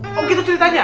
oh begitu ceritanya